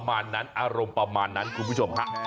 อารมณ์แบบนั้นคุณผู้ชมฮะ